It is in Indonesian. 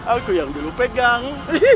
aku yang dulu pegang